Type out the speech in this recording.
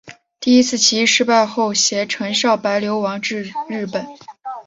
第一次起义失败后偕陈少白流亡至日本。